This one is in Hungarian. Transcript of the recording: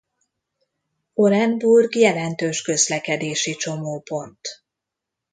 Orenburg jelentős közlekedési csomópont.